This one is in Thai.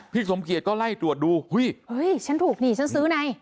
สมเกียจก็ไล่ตรวจดูเฮ้ยเฮ้ยฉันถูกนี่ฉันซื้อไง